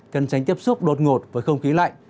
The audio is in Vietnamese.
cần tránh tiếp xúc đột ngột với không khí lạnh